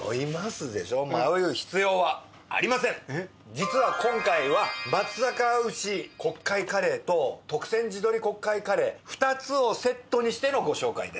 実は今回は松阪牛国会カレーと特選地鶏国会カレー２つをセットにしてのご紹介です。